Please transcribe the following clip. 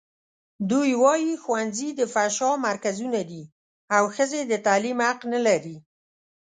دوی وايي ښوونځي د فحشا مرکزونه دي او ښځې د تعلیم حق نه لري.